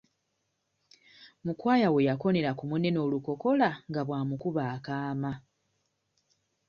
Mukwaya we yakoonera ku munne n'olukokola nga bw'amukuba akaama.